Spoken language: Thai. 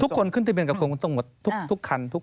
ทุกคนขึ้นที่เบียงกับกรมขนส่งทุกคันทุกคน